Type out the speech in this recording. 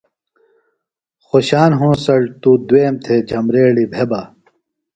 خوشان ہونسڑ توۡ دُوئیم تھےۡ جھبریڑی بھےۡ بہ۔